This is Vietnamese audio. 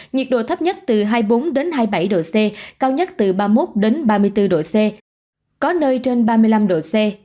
nhiệt độ thấp nhất từ hai mươi bốn hai mươi bảy độ c cao nhất từ ba mươi một ba mươi bốn độ c có nơi trên ba mươi năm độ c